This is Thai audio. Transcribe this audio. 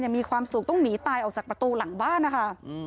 มีความสุขต้องหนีตายออกจากประตูหลังบ้านนะคะ